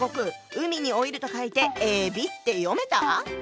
海に老いると書いてえびって読めた？